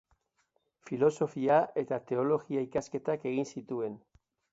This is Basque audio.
Filosofia- eta Teologia-ikasketak egin zituen.